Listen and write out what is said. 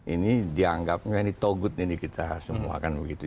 ini dianggap ini togut ini kita semua kan begitu